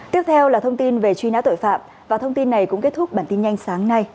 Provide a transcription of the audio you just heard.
tiếp theo là thông tin về truy nã tội phạm và thông tin này cũng kết thúc bản tin nhanh sáng nay